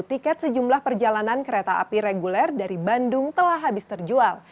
tiket sejumlah perjalanan kereta api reguler dari bandung telah habis terjual